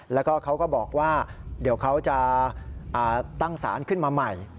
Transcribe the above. แล้วก็เขาก็บอกว่าเดี๋ยวเขาจะตั้งสารขึ้นมาใหม่